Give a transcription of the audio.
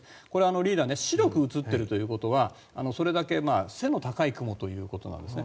リーダー白く写っているということはそれだけ背の高い雲ということなんですね。